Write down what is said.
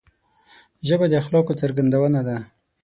ژبه د اخلاقو څرګندونه ده